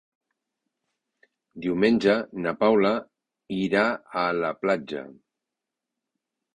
Diumenge na Paula irà a la platja.